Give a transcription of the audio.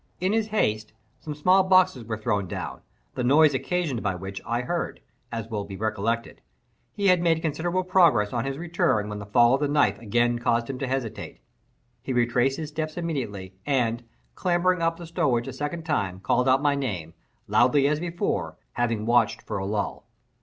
In his haste some small boxes were thrown down, the noise occasioned by which I heard, as will be recollected. He had made considerable progress on his return when the fall of the knife again caused him to hesitate. He retraced his steps immediately, and, clambering up the stowage a second time, called out my name, loudly as before, having watched for a lull.